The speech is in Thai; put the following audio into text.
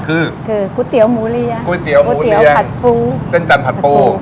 คือก๋วยเตี๋ยวหมูเลี้ยก๋วยเตี๋ยวผัดปูเส้นจันทร์ผัดโป้